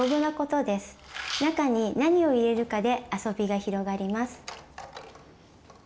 中に何を入れるかであそびが広がります。